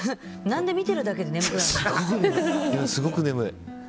何で見てるだけですごく眠い。